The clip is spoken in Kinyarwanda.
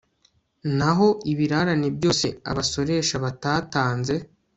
naho ibirarane byose abasoresha batatanze